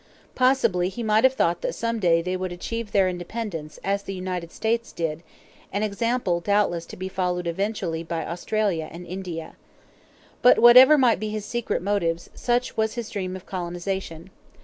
Possibly he might have thought that some day they would achieve their independence, as the United States did an example doubtless to be followed eventually by Australia and India. But whatever might be his secret motives, such was his dream of colonization.